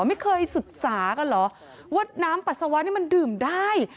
ไม่เคยศึกษากันเหรอว่าน้ำปัสสาวะนี่มันดื่มได้